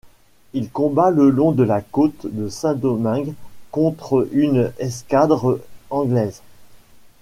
Il combat le long de la côte de Saint-Domingue contre une escadre anglaise.